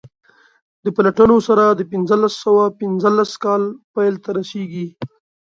د پلټنو سر د پنځلس سوه پنځلس کال پیل ته رسیږي.